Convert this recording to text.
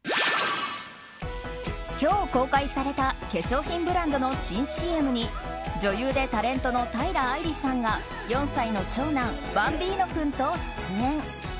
今日公開された化粧品ブランドの新ＣＭに女優でタレントの平愛梨さんが４歳の長男バンビーノ君と出演。